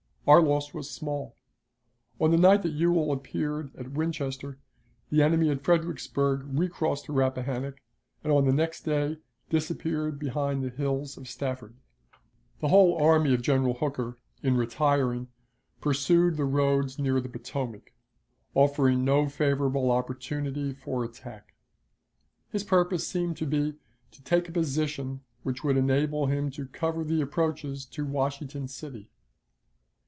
Our loss was small. On the night that Ewell appeared at Winchester, the enemy at Fredericksburg recrossed the Rappahannock, and on the next day disappeared behind the hills of Stafford. The whole army of General Hooker, in retiring, pursued the roads near the Potomac, offering no favorable opportunity for attack. His purpose seemed to be to take a position which would enable him to cover the approaches to Washington City.